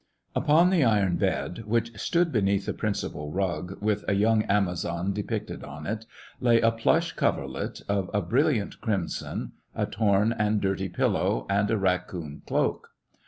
Upon the iron bed, which stood beneath the principal rug, with a young amazon depicted on it, lay a plush coverlet, of a brilliant crimson, a torn and dirty pillow, and a raccoon cloak.